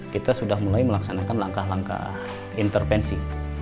kita sudah mulai melaksanakan langkah langkah intervensi